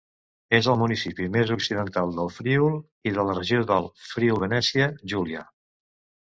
És el municipi més occidental del Friül i de la regió del Friül-Venècia Júlia.